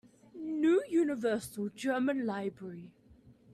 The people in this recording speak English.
New Universal German Library.